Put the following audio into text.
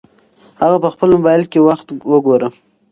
هغه په خپل موبایل کې وخت وګوره.